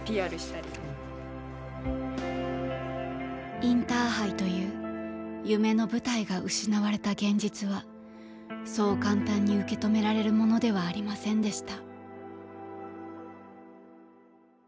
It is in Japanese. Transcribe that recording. インターハイという夢の舞台が失われた現実はそう簡単に受け止められるものではありませんでした。